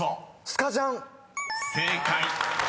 「スカジャン」［正解！］